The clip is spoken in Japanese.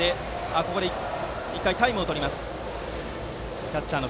ここで１回タイムをとります